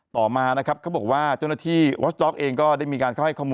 ต่อมานะครับเขาบอกว่าเจ้าหน้าที่วอสต๊อกเองก็ได้มีการเข้าให้ข้อมูล